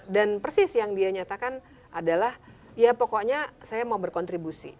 dan persis yang dia nyatakan adalah ya pokoknya saya mau berkontribusi